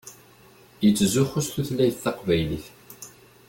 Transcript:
Yettzuxxu s tutlayt taqbaylit.